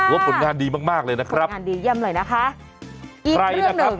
ว่าผลงานดีมากมากเลยนะครับผลงานดีเยี่ยมเลยนะคะอีกเรื่องหนึ่งใครนะครับ